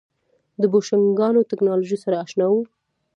د بوشنګانو ټکنالوژۍ سره اشنا وو.